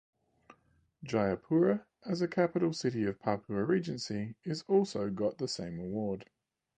Jayapura as a capital city of Papua Regency is also got the same award.